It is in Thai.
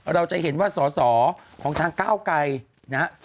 เราจะเห็นว่าสอสอของทางก้าวไกรนะฮะ